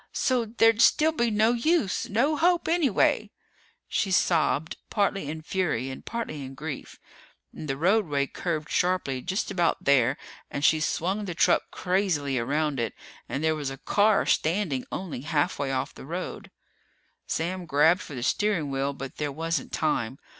"So there'd still be no use. No hope, anyway." She sobbed, partly in fury and partly in grief. And the roadway curved sharply just about there and she swung the truck crazily around it and there was a car standing only halfway off the road. Sam grabbed for the steering wheel, but there wasn't time.